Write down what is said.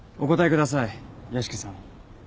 ください屋敷さん。